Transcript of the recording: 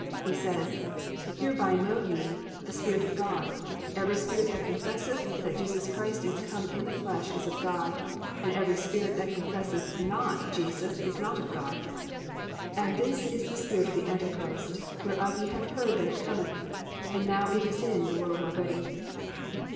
He says, +"Hereby know ye the Spirit of God: every spirit that confesseth that Jesus Christ is come in the flesh is of God: and every spirit that confesseth not Jesus is not of God: and this is the spirit of the anti Christ, whereof ye have heard that it cometh; and now it is in the world already."